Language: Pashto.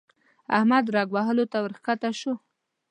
احمد رګ وهلو ته ورکښته شو.